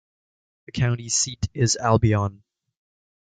The county seat is Albion.